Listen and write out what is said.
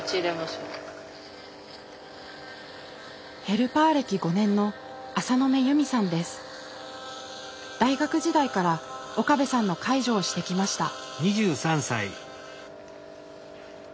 ヘルパー歴５年の大学時代から岡部さんの介助をしてきました。